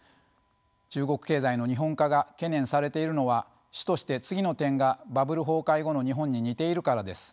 中国経済の「日本化」が懸念されているのは主として次の点がバブル崩壊後の日本に似ているからです。